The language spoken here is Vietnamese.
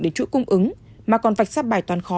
đến chuỗi cung ứng mà còn vạch sát bài toàn khó